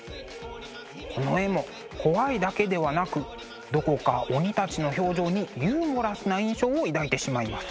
この絵も怖いだけではなくどこか鬼たちの表情にユーモラスな印象を抱いてしまいます。